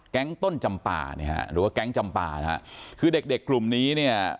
แก๊งต้นจำปาหรือว่าแก๊งจำปาคือเด็กกลุ่มนี้เนี่ย